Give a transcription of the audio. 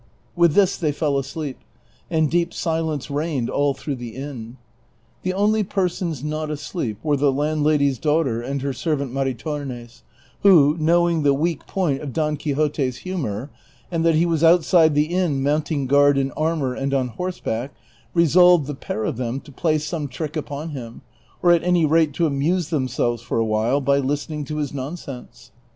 With this they fell asleep, and deep silence reigned all through the inn. The only persons not asleep were the land lady's daughter and her servant Maritornes, who, knowing the weak point of Don Quixote's hiunor, and that he was outside the inn mounting guard in armor and on horseback, resolved, the pair of them, to play some trick upon him, or at any rate to amuse themselves for a while by listening to his nonsense.